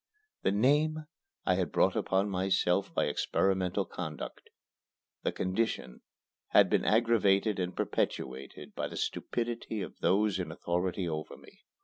The name I had brought upon myself by experimental conduct; the condition had been aggravated and perpetuated by the stupidity of those in authority over me.